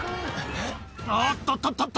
おっとっとっと。